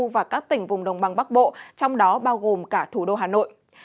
và các tỉnh vùng đồng bằng bắc bộ trong đó bao gồm cả thủ đô hà nội